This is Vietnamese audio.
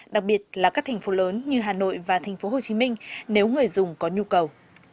đặc biệt là các thành phố lớn như hà nội và thành phố hồ chí minh nếu người dùng có nhu cầu